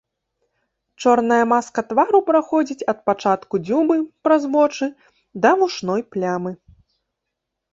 Чорная маска твару праходзіць ад пачатку дзюбы праз вочы да вушной плямы.